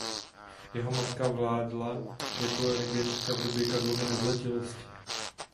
Jeho matka vládla jako regentka v době Karlovy nezletilosti.